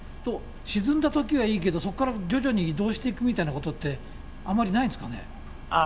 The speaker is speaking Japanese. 沈んだときはいいけど、そこから徐々に移動していくみたいなことって、あまりないんですかね。